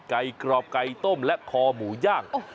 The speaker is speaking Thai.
กรอบไก่ต้มและคอหมูย่าง